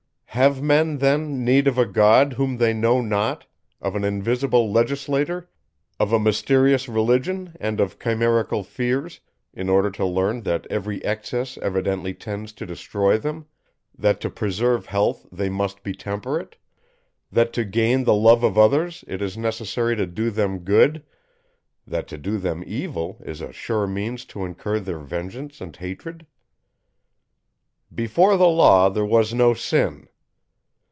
Have men then need of a God whom they know not, of an invisible legislator, of a mysterious religion and of chimerical fears, in order to learn that every excess evidently tends to destroy them, that to preserve health they must be temperate; that to gain the love of others it is necessary to do them good, that to do them evil is a sure means to incur their vengeance and hatred? "Before the law there was no sin."